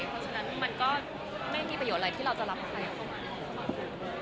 เพราะฉะนั้นมันก็ไม่มีประโยชน์อะไรที่เราจะรับใครเข้ามาได้